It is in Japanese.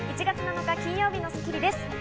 １月７日、金曜日の『スッキリ』です。